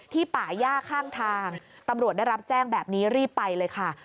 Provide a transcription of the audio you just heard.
ป่าย่าข้างทางตำรวจได้รับแจ้งแบบนี้รีบไปเลยค่ะ